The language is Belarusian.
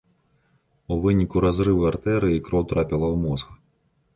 У выніку разрыву артэрыі кроў трапіла ў мозг.